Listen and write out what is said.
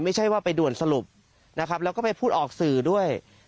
ไม่ใช่ว่าไปด่วนสรุปนะครับแล้วก็ไปพูดออกสื่อด้วย